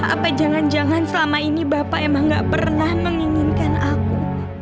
apa jangan jangan selama ini bapak emang gak pernah menginginkan aku